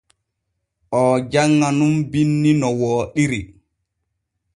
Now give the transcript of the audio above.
Oo janŋa nun binni no wooɗiri.